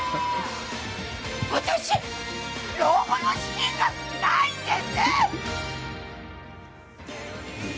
私、老後の資金がないんです！